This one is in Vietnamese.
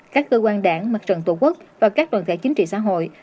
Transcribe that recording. các cơ quan đảng mặt trận tổ quốc và các đoàn thể chính trị xã hội